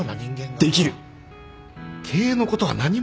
できる経営のことは何も